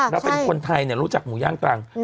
แล้วเป็นคนไทยรู้จักหมูย่างตรัง